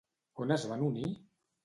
On es van unir?